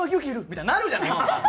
みたいになるじゃないですか。